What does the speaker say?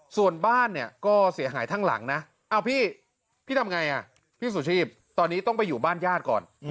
ส่วนบ้านเนี่ยก็เสียหายทั้งหลังนะพี่พี่ทำไงพี่สุชีพตอนนี้ต้องไปอยู่บ้านญาติก่อน